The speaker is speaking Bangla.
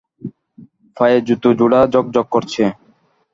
পায়ের জুতা জোড়া ঝকঝক করছে।